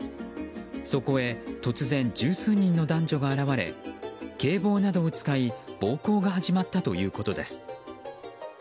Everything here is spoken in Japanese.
そこへ突然十数人の男女が現れ警棒などを使い暴行が始まったということです。